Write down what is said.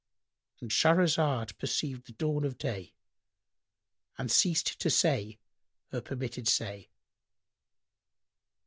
"—And Shahrazad perceived the dawn of day and ceased to say her permitted say.